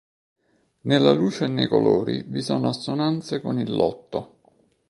Nella luce e nei colori vi sono assonanze con il Lotto.